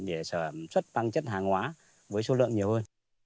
để sở hợp xuất băng chất hàng hóa với số lượng nhiều hơn